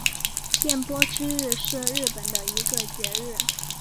电波之日是日本的一个节日。